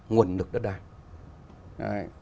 nguồn lực đất đai